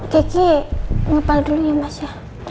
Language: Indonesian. kiki ngepal dulu ya mas ya